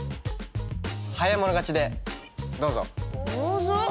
早い者勝ちでどうぞ。